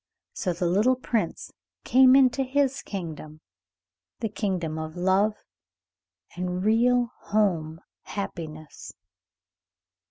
So the little Prince came into his kingdom, the kingdom of love and real home happiness.